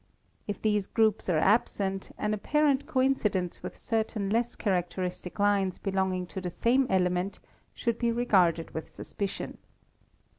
If these groups are absent, an apparent co incidence with certain less characteristic lines belonging to the same element should be regarded with suspicion.